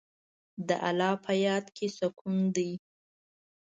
د الله په یاد کې سکون دی.